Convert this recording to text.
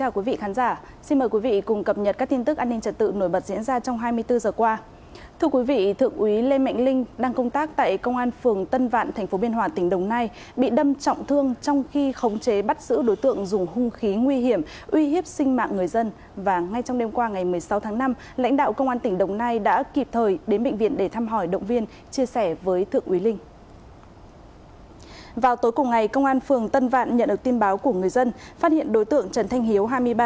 chào mừng quý vị đến với bộ phim hãy nhớ like share và đăng ký kênh của chúng mình nhé